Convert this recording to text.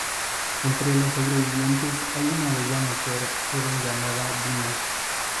Entre los sobrevivientes hay una bella mujer joven llamada Vina.